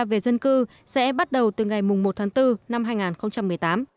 về dân cư sẽ bắt đầu từ ngày một tháng bốn năm hai nghìn một mươi tám